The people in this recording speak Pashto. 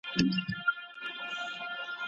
ایا تکړه پلورونکي کاغذي بادام پروسس کوي؟